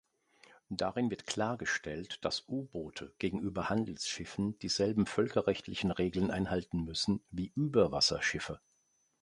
Darin wird klargestellt, dass U-Boote gegenüber Handelsschiffen dieselben völkerrechtlichen Regeln einhalten müssen wie Überwasserschiffe.